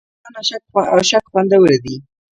د افغانستان اشک خوندور دي